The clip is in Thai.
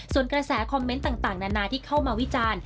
ส่วนกระแสคอมเมนต์ต่างนานาที่เข้ามาวิจารณ์